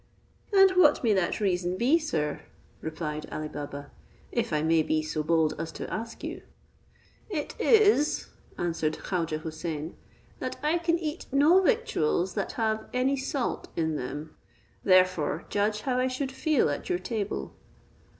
"And what may that reason be, sir," replied Ali Baba, "if I may be so bold as to ask you?" "It is," answered Khaujeh Houssain, "that I can eat no victuals that have any salt in them; therefore judge how I should feel at your table."